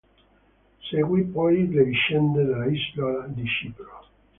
Seguì poi le vicende dell'isola di Cipro.